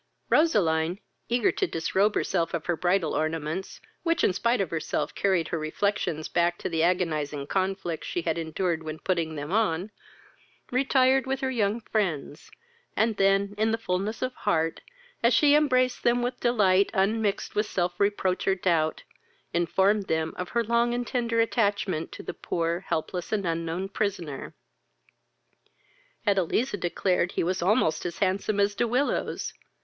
Roseline, eager to disrobe herself of her bridal ornaments, which, in spite of herself, carried her reflections back to the agonizing conflicts she had endured when putting them on, retired with her young friends, and then in the fulness of heart, as she embraced them with delight, unmixed with self reproach or doubt, informed them of her long and tender attachment to the poor, helpless, and unknown prisoner. Edeliza declared he was almost as handsome as De Willows.